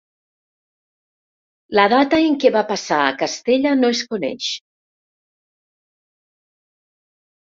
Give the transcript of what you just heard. La data en què va passar a Castella no es coneix.